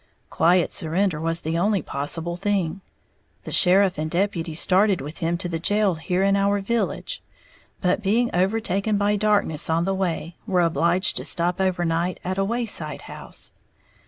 Quiet surrender was the only possible thing. The sheriff and deputy started with him to the jail here in our village; but, being overtaken by darkness on the way, were obliged to stop overnight at a wayside house.